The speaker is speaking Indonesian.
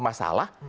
nggak ada masalah